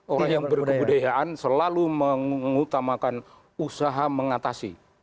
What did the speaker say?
orang yang berkebudayaan selalu mengutamakan usaha mengatasi